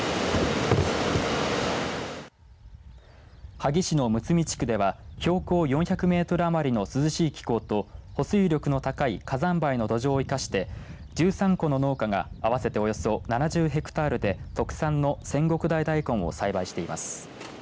萩市のむつみ地区では標高４００メートル余りの涼しい気候と保水力の高い火山灰の土壌を生かして１３戸の農家が合わせておよそ７０ヘクタールで特産の千石台だいこんを栽培しています。